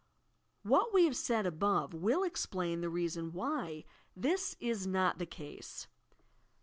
What we have said above will explain the reason why this is not the case.